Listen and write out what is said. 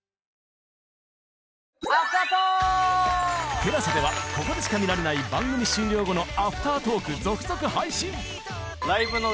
ＴＥＬＡＳＡ ではここでしか見られない番組終了後のアフタートーク続々配信！